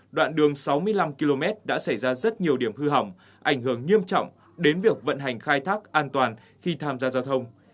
đoạn đường sáu mươi năm km đã xảy ra rất nhiều điểm hư hỏng ảnh hưởng nghiêm trọng đến việc vận hành khai thác an toàn khi tham gia giao thông